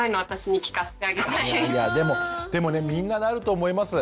でもでもねみんななると思います。